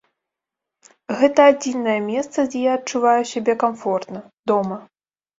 Гэта адзінае месца, дзе я адчуваю сябе камфортна, дома.